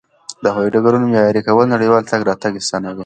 د هوایي ډګرونو معیاري کول نړیوال تګ راتګ اسانوي.